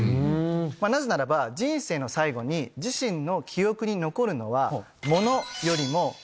なぜならば人生の最後に自身の記憶に残るのは。